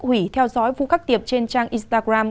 hủy theo dõi phu khắc tiệp trên trang instagram